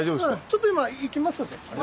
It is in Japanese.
ちょっと今行きます。